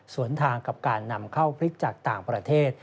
ส่วนทางกับการนำเข้าพริกจากต่างประเทศ